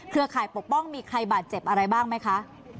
ข่ายปกป้องมีใครบาดเจ็บอะไรบ้างไหมคะ